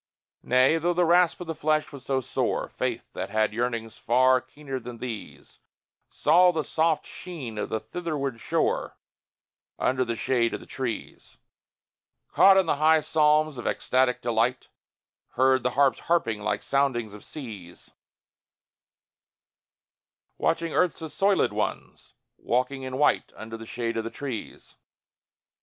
Nay though the rasp of the flesh was so sore, Faith, that had yearnings far keener than these, Saw the soft sheen of the Thitherward Shore Under the shade of the trees; Caught the high psalms of ecstatic delight Heard the harps harping, like soundings of seas Watched earth's assoilèd ones walking in white Under the shade of the trees.